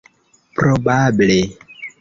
probable